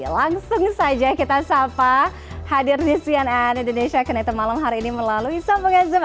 langsung saja kita sapa hadir di cnn indonesia keneitemalem hari ini melalui sampung azim